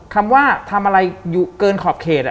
คำว่าทำอะไรอยู่เกินขอบเขต